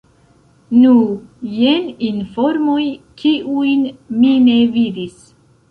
Nu, jen informoj, kiujn mi ne vidis.